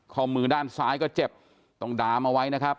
ข้อมือด้านซ้ายก็เจ็บต้องดามเอาไว้นะครับ